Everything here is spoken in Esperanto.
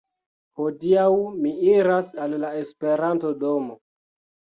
Hodiaŭ mi iras al la Esperanto-domo